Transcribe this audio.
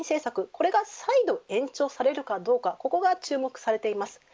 これが再度延長されるかどうかこれが注目されています。